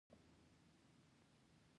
راکټ د نړۍ مخ پر ودې ځواکونه لري